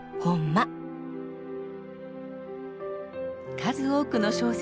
数多くの小説